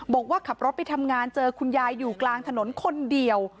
บอกว่าขับรถไปทำงานเจอคุณยายอยู่กลางถนนคนเดียว